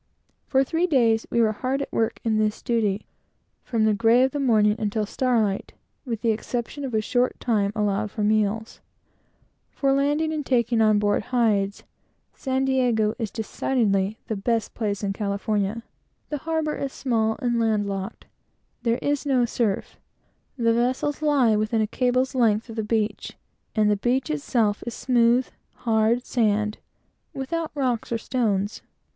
For three days we were hard at work, from the grey of the morning until starlight, with the exception of a short time allowed for meals, in this duty. For landing and taking on board hides, San Diego is decidedly the best place in California. The harbor is small and land locked; there is no surf; the vessels lie within a cable's length of the beach; and the beach itself is smooth, hard sand, without rocks or stones.